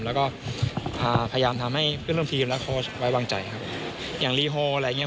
แล้วก็อ่าพยายามทำให้เพื่อนร่วมทีมและโค้ชไว้วางใจครับผมอย่างรีโฮอะไรอย่างเง